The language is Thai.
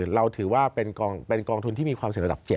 เราถือว่าเป็นกองทุนที่มีความเสี่ยงระดับ๗